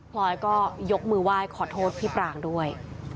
พลอยก็ยกมือไหว้ขอโทษพี่ปรางด้วย